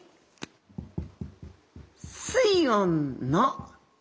水温の差。